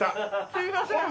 すいません